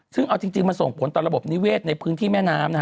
ซึ่งเอาจริงมันส่งผลต่อระบบนิเวศในพื้นที่แม่น้ำนะฮะ